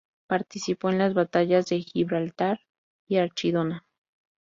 Participó en las batallas de Gibraltar y Archidona.